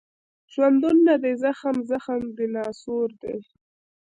ژوندون نه دی زخم، زخم د ناسور دی